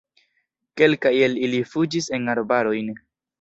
Kelkaj el ili fuĝis en arbarojn.